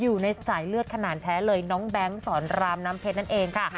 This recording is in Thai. อยู่ในสายเลือดขนาดแท้เลยน้องแบงค์สอนรามน้ำเพชรนั่นเองค่ะ